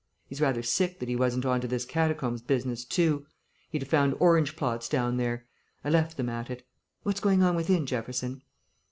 He's rather sick that he wasn't on to this catacombs business too; he'd have found Orange plots down there. I left them at it.... What's going on within, Jefferson?"